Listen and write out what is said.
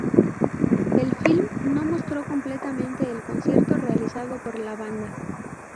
El film no mostró completamente el concierto realizado por la banda.